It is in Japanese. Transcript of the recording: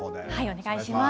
お願いします。